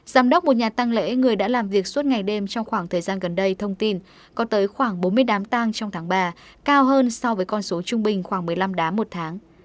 giám đốc một nhà tăng lễ người đã làm việc suốt ngày đêm trong khoảng thời gian gần đây thông tin có tới khoảng bốn mươi đám tang trong tháng ba cao hơn so với con số trung bình khoảng một mươi năm đá một tháng